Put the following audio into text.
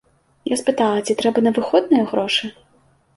Я спытала, ці трэба на выходныя грошы?